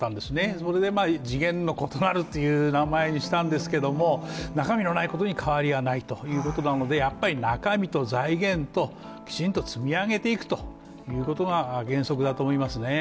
それで次元の異なるっていう名前にしたんですけれども、中身のないことに変わりはないということなのでやはり中身と財源をきちんと積み上げていくことが原則だと思いますね。